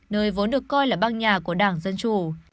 nơi vốn được coi là bang nhà của đảng dân chủ